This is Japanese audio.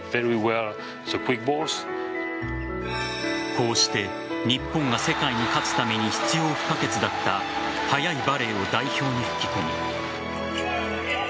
こうして日本が世界に勝つために必要不可欠だった速いバレーを代表に吹き込み。